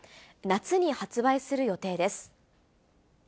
夏に発売する予定です。